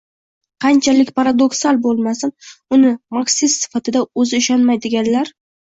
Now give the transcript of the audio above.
qanchalik paradoksal bo‘lmasin uni marksist sifatida o‘zi ishonmaydiganlar